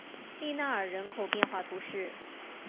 利纳尔人口变化图示